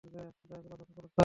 দয়া করে অপেক্ষা করুন, স্যার।